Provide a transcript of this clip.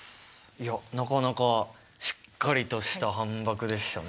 いやなかなかしっかりとした反ばくでしたね。